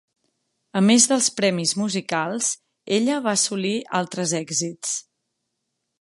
A més dels premis musicals, ella va assolir altres èxits.